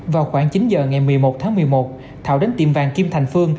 vào khoảng chín giờ ngày một mươi một tháng một mươi một thảo đến tiệm vàng kim thành phương